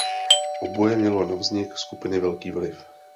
Oboje mělo na vznik skupiny velký vliv.